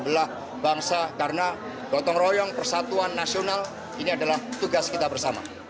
belah bangsa karena gotong royong persatuan nasional ini adalah tugas kita bersama